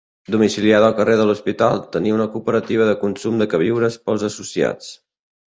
Domiciliada al carrer de l’Hospital, tenia una cooperativa de consum de queviures pels associats.